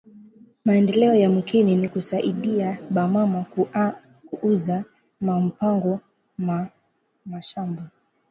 Maendeleo ya mukini ni ku saidiya ba mama ku uza ma mpango na mashamba